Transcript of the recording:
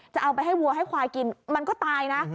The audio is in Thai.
จะเอาไปให้วัวให้ควายกินมันก็ตายนะ